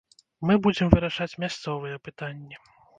Мы будзем вырашаць мясцовыя пытанні.